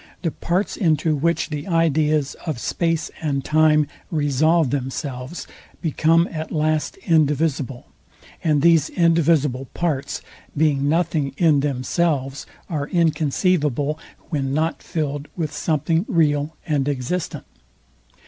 The parts, into which the ideas of space and time resolve themselves, become at last indivisible; and these indivisible parts, being nothing in themselves, are inconceivable when not filled with something real and existent.